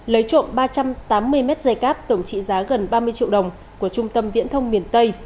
lấy trộm ba trăm tám mươi mét dây cáp tổng trị giá gần ba mươi triệu đồng của trung tâm viễn thông miền tây